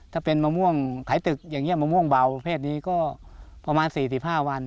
ถ้าเป็นมะม่วงขายตึกอย่างนี้มะม่วงเบาเพศนี้ก็ประมาณ๔๕วัน